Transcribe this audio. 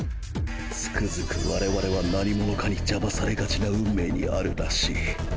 つくづく我々は何者かに邪魔されがちな運命にあるらしい。